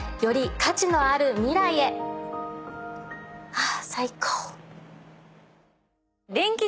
あぁ最高。